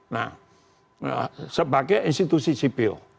nah sebagai institusi sipil